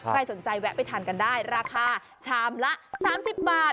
ใครสนใจแวะไปทานกันได้ราคาชามละ๓๐บาท